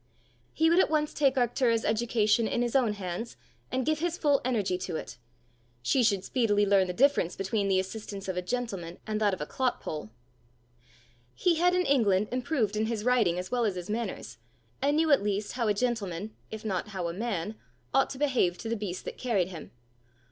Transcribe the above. He would at once take Arctura's education in his own hands, and give his full energy to it! She should speedily learn the difference between the assistance of a gentleman and that of a clotpoll! He had in England improved in his riding as well as his manners, and knew at least how a gentleman, if not how a man, ought to behave to the beast that carried him.